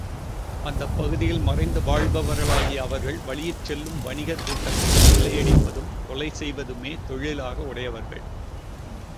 அந்தப் பகுதியில் மறைந்து வாழ்பவர்களாகிய அவர்கள் வழியிற் செல்லும் வணிகர் கூட்டங்களைக் கொள்ளையடிப்பதும் கொலை செய்வதுமே தொழிலாக உடையவர்கள்.